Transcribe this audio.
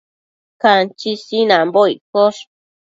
Canchi sinanbo iccosh